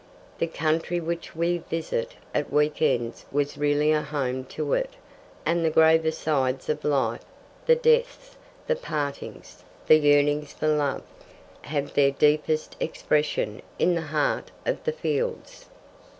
The country which we visit at week ends was really a home to it, and the graver sides of life, the deaths, the partings, the yearnings for love, have their deepest expression in the heart of the fields.